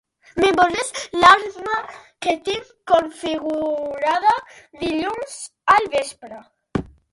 M'esborres l'alarma que tinc configurada dilluns al vespre?